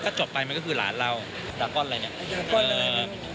ถ้าจบไปมันก็คือหลานเราดังก้อนอะไรเนี่ย